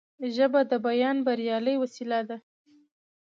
ژبه د بیان بریالۍ وسیله ده